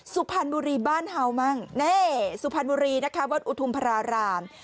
สุพรรณบุรีบ้านเฮามั่งนี่สุพรรณบุรีนะคะวัดอุทุมพราราม